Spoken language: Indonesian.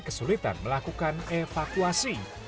kesulitan melakukan evakuasi